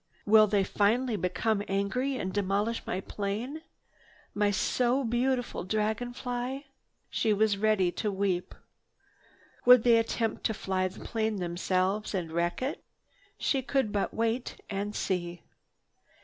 "Will they finally become angry and demolish my plane? My so beautiful dragon fly!" She was ready to weep. Would they attempt to fly the plane themselves and wreck it? She could but wait and see.